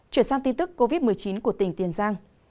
chuyển sang tin tức covid một mươi chín của tỉnh tiền giang